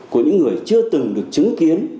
của những người chưa từng được chứng kiến